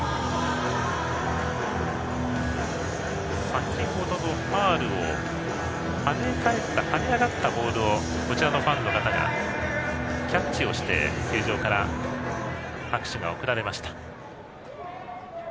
先ほどのファウルで跳ね上がったボールをファンの方がキャッチをして球場から拍手が送られました。